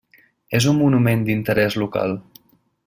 És un monument d'interés local.